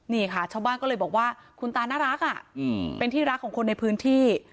นี่ค่ะชาวบ้านก็เลยบอกว่าคุณตาน่ารักเป็นที่รักของคนในพื้นที่